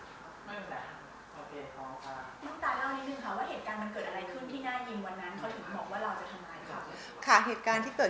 เขาถึงบอกว่าเราจะทำลายเขา